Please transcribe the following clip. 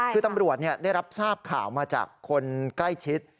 คือตำรวจได้รับทราบข่าวมาจากคนใกล้ชิด